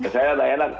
saya ada enak